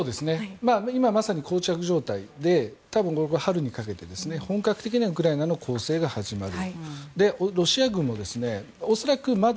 今まさにこう着状態で多分これから春にかけて本格的にウクライナの攻勢が始まる。